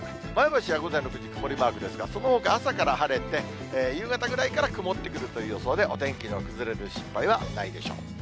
前橋は午前６時、曇りマークですが、そのほか朝から晴れて、夕方ぐらいから曇ってくるという予想で、お天気の崩れる心配はないでしょう。